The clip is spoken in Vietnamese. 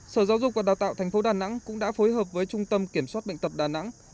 sở giáo dục và đào tạo tp đà nẵng cũng đã phối hợp với trung tâm kiểm soát bệnh tập đà nẵng